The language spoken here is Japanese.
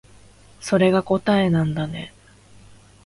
それが答えなんだね